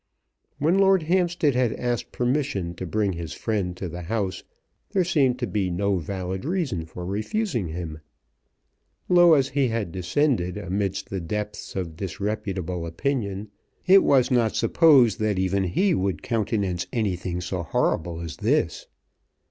When Lord Hampstead had asked permission to bring his friend to the house there seemed to be no valid reason for refusing him. Low as he had descended amidst the depths of disreputable opinion, it was not supposed that even he would countenance anything so horrible as this.